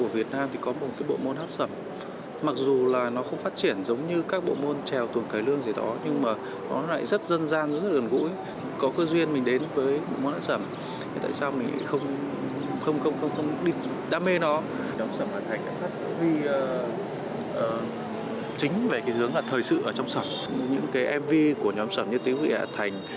vì chính về hướng thời sự trong sẩm những mv của nhóm sẩm như tiếng huyện hạ thành